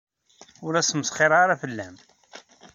Ur la smesxireɣ ara fell-am.